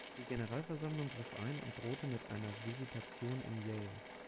Die Generalversammlung griff ein und drohte mit einer „Visitation“ in Yale.